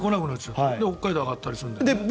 北海道が上がったりする。